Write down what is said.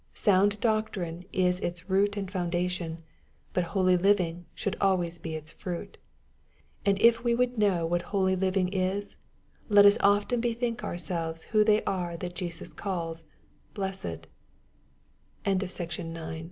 Sound doctrine is its root and foundation, but holy living should always be its fruit. And if we would know what holy living is, let us often bethink ourselves who they are that Jesus calls "